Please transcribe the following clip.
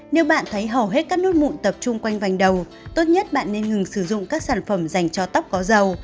nếu bạn thấy hầu hết các nút mụn tập trung quanh vành đầu tốt nhất bạn nên ngừng sử dụng các sản phẩm dành cho tóc có dầu